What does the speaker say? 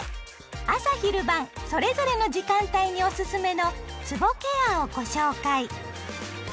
朝・昼・晩それぞれの時間帯におすすめのつぼケアをご紹介。